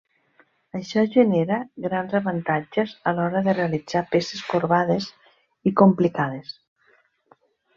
Això genera grans avantatges a l'hora de realitzar peces corbades i complicades.